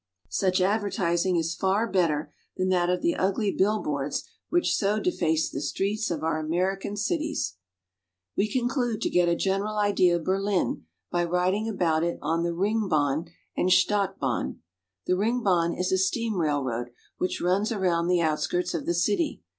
Such advertising is far better than that of the ugly bill boards which so deface the streets of our American cities. We conclude to get a general idea of Berlin by riding about it on the Ringbahn and Stadtbahn. The Ringbahn is a steam railroad, which runs around the outskirts of the city.